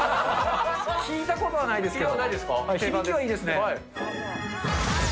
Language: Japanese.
聞いたことないですか？